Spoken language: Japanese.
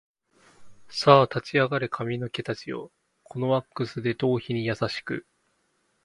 さあ立ち上がれ髪の毛たちよ、このワックスで頭皮に優しく